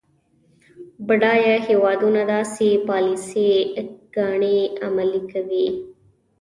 بډایه هیوادونه داسې پالیسي ګانې عملي کوي.